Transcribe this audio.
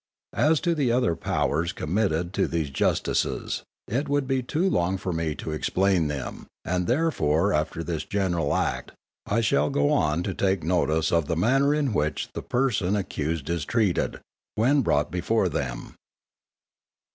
As to the other powers committed to these justices, it would be too long for me to explain them, and therefore after this general Act, I shall go on to take notice of the manner in which the person accused is treated, when brought before them.